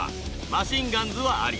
マシンガンズは「アリ」